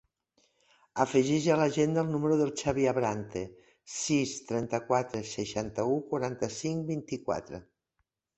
Afegeix a l'agenda el número del Xavi Abrante: sis, trenta-quatre, seixanta-u, quaranta-cinc, vint-i-quatre.